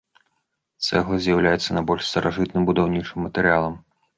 Цэгла з'яўляецца найбольш старажытным будаўнічым матэрыялам.